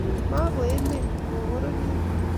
Ma ko emet, ko pororiet